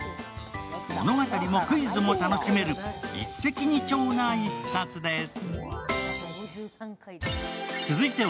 物語もクイズも楽しめる一石二鳥な一冊です。